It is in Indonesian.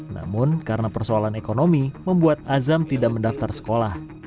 namun karena persoalan ekonomi membuat azam tidak mendaftar sekolah